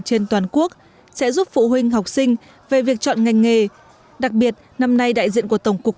trên toàn quốc sẽ giúp phụ huynh học sinh về việc chọn ngành nghề đặc biệt năm nay đại diện của tổng cục